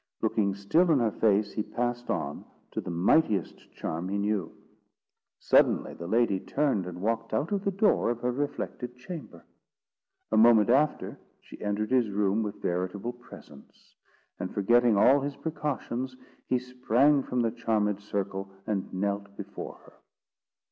Looking still in her face, he passed on to the mightiest charm he knew. Suddenly the lady turned and walked out of the door of her reflected chamber. A moment after she entered his room with veritable presence; and, forgetting all his precautions, he sprang from the charmed circle, and knelt before her.